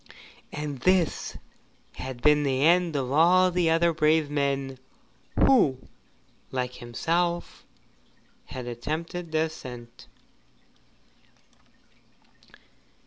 And this had been the end of all the other brave men who like himself had attempted the ascent.